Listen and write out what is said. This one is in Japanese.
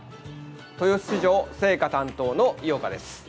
豊洲市場青果担当の井岡です。